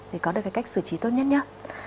để có được cái cách xử trí tốt nhất nhất